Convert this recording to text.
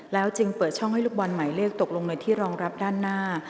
จึงเปิดช่องให้ลูกบอลหมายเลขตกลงในที่รองรับด้านหน้า